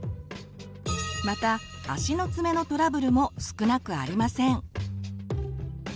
また足の爪のトラブルも少なくありません。